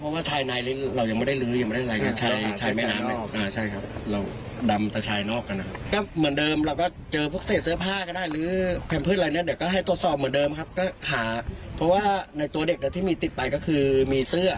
เพราะว่าชายในเรายังไม่ได้ลื้อยังไม่ได้ลายชายชายแม่น้ำอ่าใช่ครับ